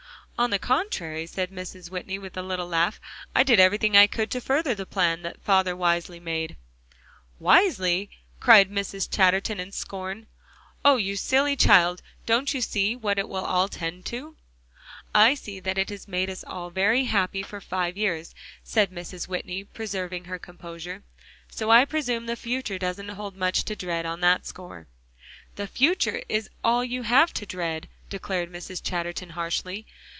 "On the contrary," said Mrs. Whitney with a little laugh, "I did everything I could to further the plan that father wisely made." "Wisely!" cried Mrs. Chatterton in scorn. "Oh, you silly child! don't you see what it will all tend to?" "I see that it has made us all very happy for five years," said Mrs. Whitney, preserving her composure, "so I presume the future doesn't hold much to dread on that score." "The future is all you have to dread," declared Mrs. Chatterton harshly.